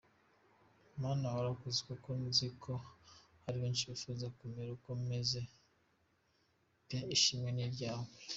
Mana warakoze kuko nziko haribenshi bifuza kumera uko meze pe ishimwe niryawe.